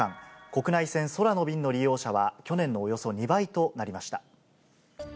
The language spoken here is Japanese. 国内線空の便の利用者は、去年のおよそ２倍となりました。